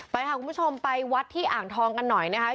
ไปค่ะคุณผู้ชมไปวัดที่อ่างทองกันหน่อยนะคะ